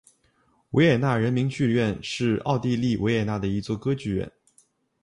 维也纳人民剧院是奥地利维也纳的一座歌剧院。